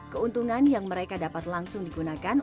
keuntungan yang mereka dapat langsung digunakan